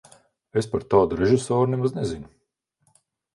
Es par tādu režisoru nemaz nezinu.